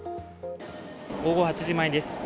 午後８時前です。